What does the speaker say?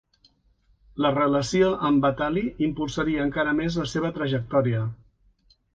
La relació amb Batali impulsaria encara més la seva trajectòria.